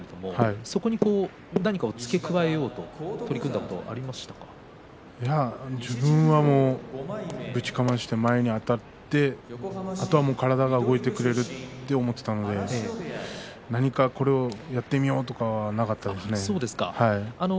そこに何かを付け加えようといや自分はぶちかまして前にあたってあとは体が動いてくれると思っていたので何かこれをやってみようとかはそうですか。